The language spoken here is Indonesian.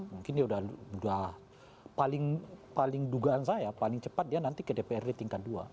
mungkin dia sudah paling dugaan saya paling cepat dia nanti ke dprd tingkat dua